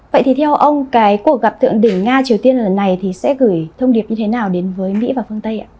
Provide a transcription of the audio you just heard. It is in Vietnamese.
vậy thì theo ông cái cuộc gặp thượng đỉnh nga triều tiên lần này thì sẽ gửi thông điệp như thế nào đến với mỹ và phương tây ạ